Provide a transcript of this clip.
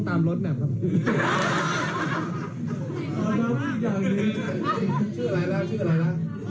ต่างโทยด้วยนะครับ